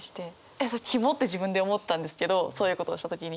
えっキモって自分で思ったんですけどそういうことをした時に。